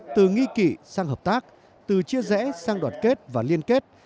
từ nghi kỵ sang hợp tác từ chia rẽ sang đoàn kết và liên kết